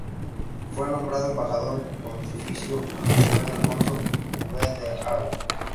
Fue nombrado "Embajador Pontificio" ante el rey Alfonso V de Aragón.